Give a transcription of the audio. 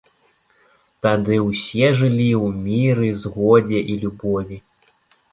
Тады ўсе жылі ў міры, згодзе і любові.